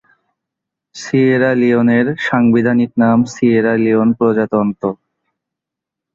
Sierra লিওনের সাংবিধানিক নাম সিয়েরা লিওন প্রজাতন্ত্র।